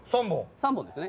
３本ですね。